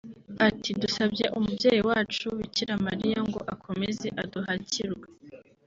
ati “Dusabye umubyeyi wacu Bikira Mariya ngo akomeze aduhakirwe